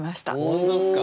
本当っすか？